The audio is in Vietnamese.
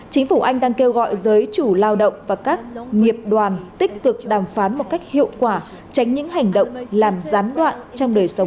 chính phủ anh đang kêu gọi giới chủ lao động và các nghiệp đoàn tích cực đàm phán một cách hiệu quả tránh những hành động làm gián đoạn trong đời sống hàng ngày của người dân